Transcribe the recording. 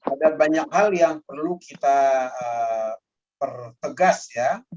ada banyak hal yang perlu kita pertegas ya